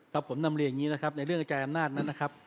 ผมนำเรียนอย่างนี้นะครับในเรื่องกระจายอำนาจนั้นนะครับ